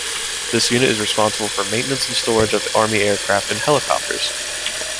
This unit is responsible for maintenance and storage of army aircraft and helicopters.